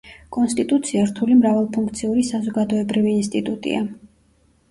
კონსტიტუცია რთული მრავალფუნქციური საზოგადოებრივი ინსტიტუტია.